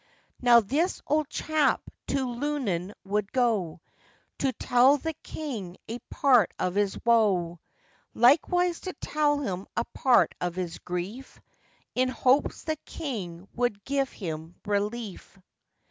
Now, this old chap to Lunnun would go, To tell the king a part of his woe, Likewise to tell him a part of his grief, In hopes the king would give him relief.